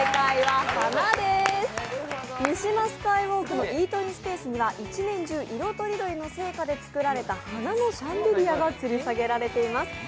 三島スカイウォークのイートインスペースには１年中、色とりどりの生花で作られた花のシャンデリアがつり下げられています。